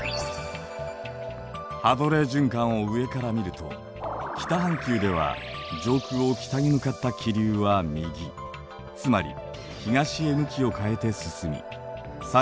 ハドレー循環を上から見ると北半球では上空を北に向かった気流は右つまり東へ向きを変えて進み３０度付近で下降します。